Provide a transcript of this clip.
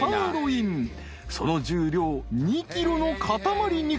［その重量２ｋｇの塊肉］